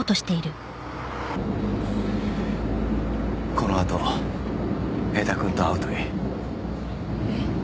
このあと江田君と会うといいえっ？